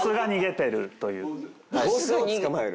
ボスを捕まえる？